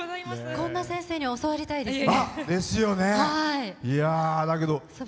こんな先生に教わりたいですね。